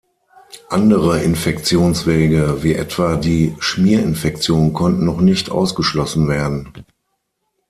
Andere Infektionswege wie etwa die Schmierinfektion konnten noch nicht ausgeschlossen werden.